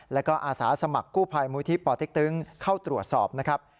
แล้วก็อาสาสมัครกู้ภัยมูลที่ปเต็กตึงเข้าตรวจสอบนะครับ